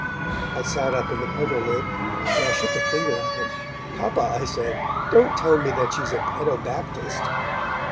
I sat up in the coverlid, and I shook a finger at him. 'Papa,' I said, 'don't tell me that she's a pedobaptist?'